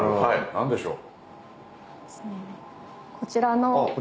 何でしょう？